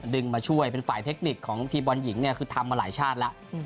มาช่วยเป็นฝ่ายเทคนิคของทีมบอลหญิงเนี่ยคือทำมาหลายชาติแล้ว